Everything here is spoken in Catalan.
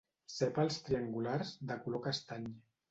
Sèpals triangulars, de color castany.